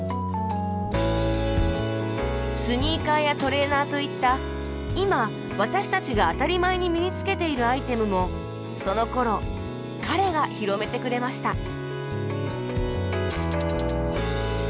スニーカーやトレーナーといった今私たちが当たり前に身につけているアイテムもそのころ彼が広めてくれました